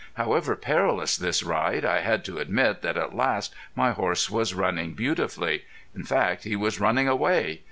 However perilous this ride I had to admit that at last my horse was running beautifully. In fact he was running away!